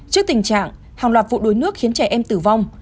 trước tình trạng hàng loạt vụ đuối nước khiến trẻ em tử vong